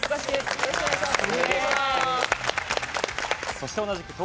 よろしくお願いします。